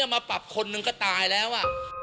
มาปรับคนนึงก็ตายแล้ว